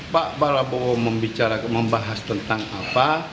pak prabowo membahas tentang apa